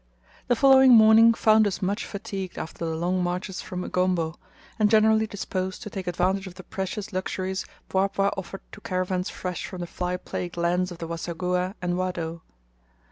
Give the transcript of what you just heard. The following morning found us much fatigued after the long marches from Ugombo, and generally disposed to take advantage of the precious luxuries Mpwapwa offered to caravans fresh from the fly plagued lands of the Waseguhha and Wadoe.